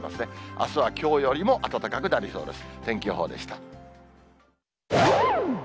あすはきょうよりも暖かくなりそうです。